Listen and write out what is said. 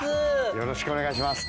よろしくお願いします。